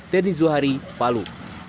denny zuhari palu